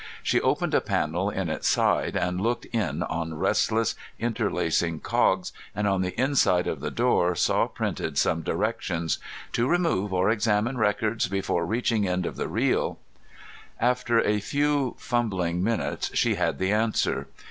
She opened a panel in its side and looked in on restless interlacing cogs, and on the inside of the door saw printed some directions.... "To remove or examine records before reaching end of the reel " After a few fumbling minutes she had the answer.